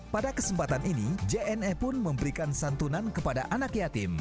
pada kesempatan ini jne pun memberikan santunan kepada anak yatim